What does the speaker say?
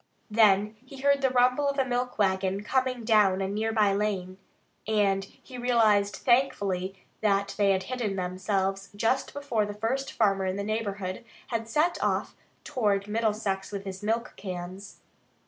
Then he heard the rumble of a milk wagon coming down a near by lane, and he realized thankfully that they had hidden themselves just before the first farmer in the neighborhood had set off toward Middlesex with his milk cans.